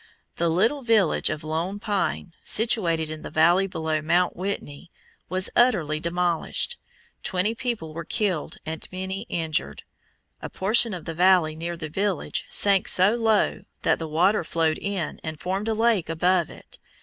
The little village of Lone Pine, situated in the valley below Mount Whitney, was utterly demolished, twenty people were killed and many injured. A portion of the valley near the village sank so low that the water flowed in and formed a lake above it.